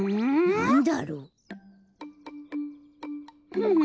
なんだろう？